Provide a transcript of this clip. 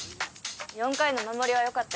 ４回の守りはよかったよ